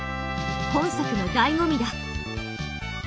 本作のだいご味だ。